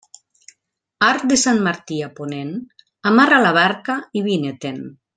Arc de Sant Martí a ponent, amarra la barca i vine-te'n.